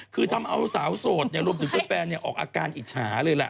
คือทำเอาสาวโสดรวมถึงแฟนออกอาการอิจฉาเลยล่ะ